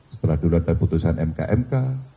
setelah duluan dari keputusan mk mk